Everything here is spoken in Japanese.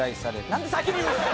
なんで先に言うんですか！